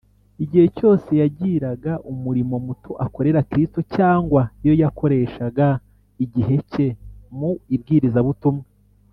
igihe cyose yagiraga umurimo muto akorera kristo, cyangwa iyo yakoreshaga igihe cye mu ibwirizabutumwa,